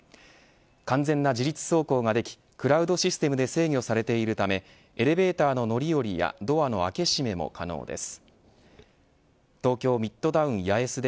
完全な自律走行ができクラウドシステムで制御されているためエレベーターの乗り降りやドアの開け閉めも可能です。